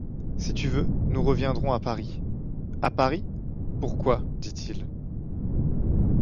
Si tu veux, nous reviendrons à Paris. — À Paris, pourquoi? dit-il.